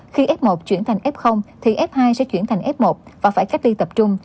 khi f một chuyển thành f thì f hai sẽ chuyển thành f một và phải cách ly tập trung